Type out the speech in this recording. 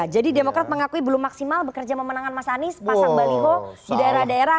jadi demokrat mengakui belum maksimal bekerja memenangkan mas anies pasang baliho di daerah daerah